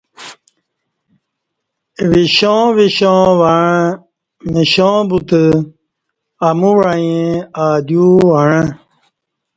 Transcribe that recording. وِشاں وِشاں وعݩہ مݜہ بوتہ امو وعیں آدیووعں